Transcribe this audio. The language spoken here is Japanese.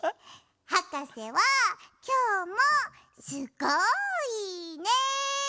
はかせはきょうもすごいね！